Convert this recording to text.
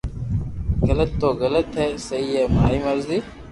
غلط تو غلط ھي سھي ھي ماري مرزي